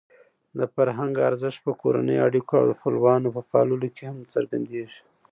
د فرهنګ ارزښت په کورنۍ اړیکو او د خپلوانو په پاللو کې هم څرګندېږي.